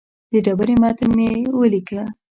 د ډبرې متن مې ولیکه.